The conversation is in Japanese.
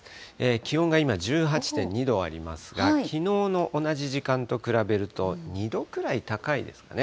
気温が今１８．２度ありますが、きのうの同じ時間と比べると、２度くらい高いですかね。